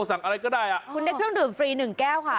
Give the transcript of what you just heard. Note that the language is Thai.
สั่งอะไรก็ได้อ่ะคุณได้เครื่องดื่มฟรีหนึ่งแก้วค่ะ